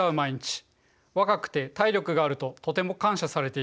若くて体力があるととても感謝されている。